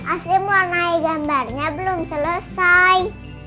asyik mau naik gambarnya belum selesai